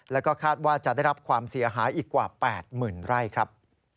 แล้วก็คาดว่าจะได้รับความเสียหายอีกกว่า๘๐๐๐ไร่ครับ